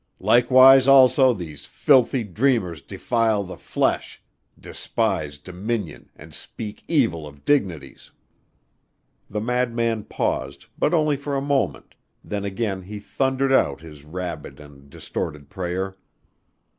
Likewise also these filthy dreamers defile the flesh ... despise dominion and speak evil of dignities.'" The madman paused, but only for a moment, then again he thundered out his rabid and distorted prayer.